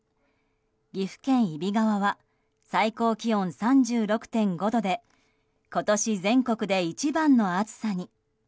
岐阜県揖斐川は最高気温３６．５度で今年全国で一番の暑さに。